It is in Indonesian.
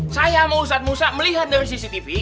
saya mau usah usah melihat dari cctv